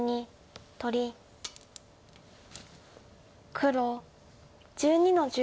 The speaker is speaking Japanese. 黒１２の十。